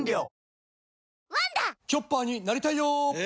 チョッパーになりたいよえ？